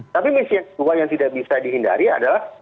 tapi misi yang kedua yang tidak bisa dihindari adalah